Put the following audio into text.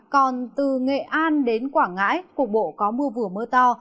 còn từ nghệ an đến quảng ngãi cục bộ có mưa vừa mưa to